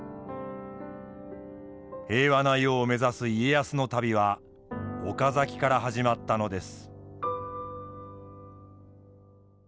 平和な世を目指す家康の旅は岡崎から始まったのです。